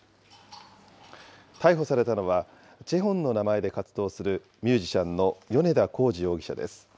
逮捕されたのは、ＣＨＥＨＯＮの名前で活動するミュージシャンの米田洪二容疑者です。